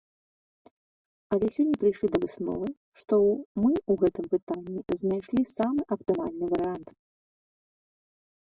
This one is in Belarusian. Але сёння прыйшлі да высновы, што мы ў гэтым пытанні знайшлі самы аптымальны варыянт.